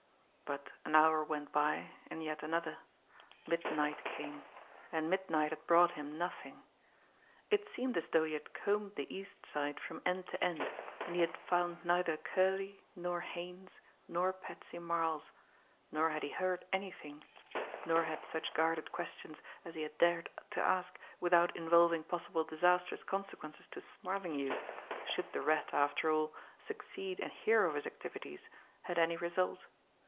But an hour went by and yet another. Midnight came and midnight had brought him nothing. It seemed as though he had combed the East Side from end to end, and he had found neither Curley, nor Haines, nor Patsy Marles nor had he heard anything nor had such guarded questions as he had dared to ask without involving possible disastrous consequences to "Smarlinghue," should the Rat, after all, succeed and hear of his activities, had any result.